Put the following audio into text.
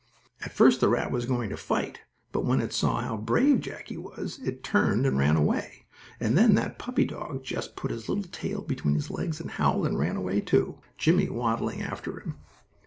At first the rat was going to fight, but when it saw how brave Jackie was, it turned and ran away. And then that puppy dog just put his little tail between his legs, and howled, and ran away, too; Jimmie waddling after him.